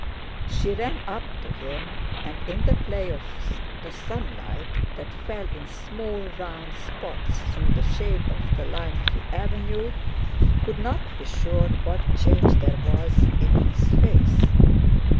She ran up to him and, in the play of the sunlight that fell in small round spots through the shade of the lime tree avenue, could not be sure what change there was in his face.